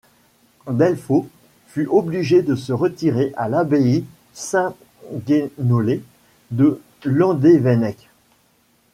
Delfau fut obligé de se retirer à l'abbaye Saint-Guénolé de Landévennec.